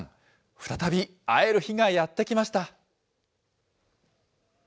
再び会える日がやって来ました。